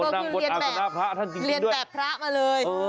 นั่งบทอาจารย์พระท่านจริงด้วยโอ้โหเรียนแบบเรียนแบบพระมาเลย